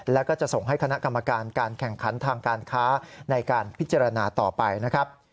แล้วก็จะส่งให้คณะกรรมการการแข่งขันทางการค้าในการพิจารณาต่อไปนะครับ